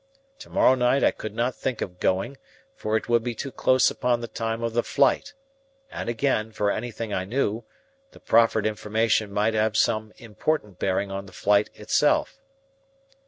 To morrow night I could not think of going, for it would be too close upon the time of the flight. And again, for anything I knew, the proffered information might have some important bearing on the flight itself.